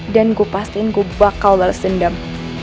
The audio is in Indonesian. dan gue pastiin gue bakal bales dendam